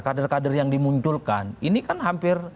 kader kader yang dimunculkan ini kan hampir